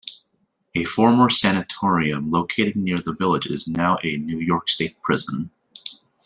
A former sanitarium located near the village is now a New York state prison.